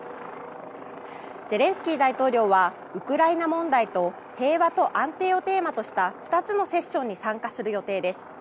ゼレンスキー大統領はウクライナ問題と平和と安定をテーマとした２つのセッションに参加する予定です。